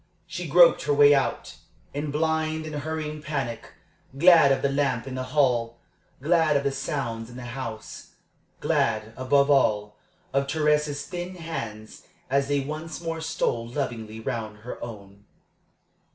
She groped her way out, in blind and hurrying panic glad of the lamp in the hall, glad of the sounds in the house, glad, above all, of Thérèse's thin hands as they once more stole lovingly round her own.